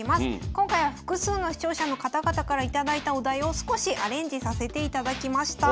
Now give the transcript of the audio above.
今回は複数の視聴者の方々から頂いたお題を少しアレンジさせていただきました。